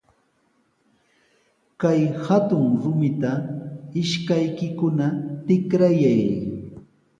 Kay hatun rumita ishkaykikuna tikrayay.